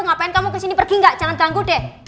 ngapain kamu kesini pergi gak jangan tangguh deh